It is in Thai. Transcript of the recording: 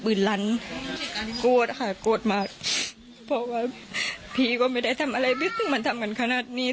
เพราะว่าพี่ก็ไม่ได้ทำอะไรมันทำกันขนาดนี้